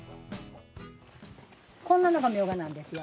こんなのがミョウガなんですよ。